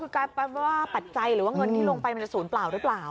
คือการปัจจัยหรือว่าเงินที่ลงไปมันจะสูญเปล่าหรือเปล่า